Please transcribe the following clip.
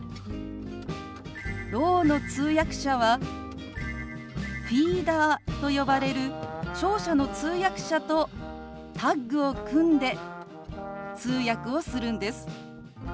ろうの通訳者はフィーダーと呼ばれる聴者の通訳者とタッグを組んで通訳をするんです。